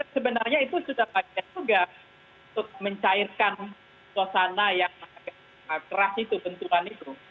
sebenarnya itu sudah bagian juga untuk mencairkan suasana yang agak keras itu benturan itu